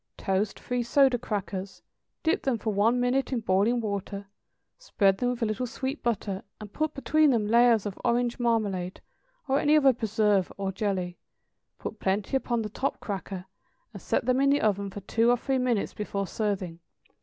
= Toast three soda crackers, dip them for one minute in boiling water, spread them with a little sweet butter, and put between them layers of orange marmalade, or any other preserve or jelly; put plenty upon the top cracker, and set them in the oven for two or three minutes before serving.